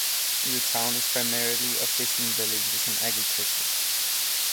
The town is primarily a fishing village with some agriculture.